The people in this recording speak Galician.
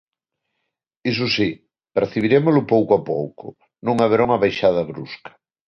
Iso si, percibirémolo pouco a pouco; non haberá unha baixada brusca.